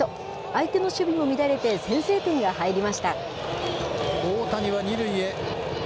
相手の守備も乱れて、先制点が入りました。